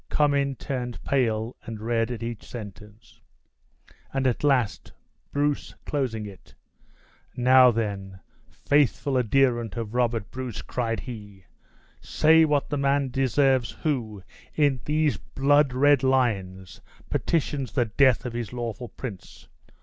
Cummin turned pale and red at each sentence; and at last, Bruce closing it: "Now, then, faithful adherent of Robert Bruce!" cried he, "say what the man deserves who, in these blood red lines, petitions the death of his lawful prince!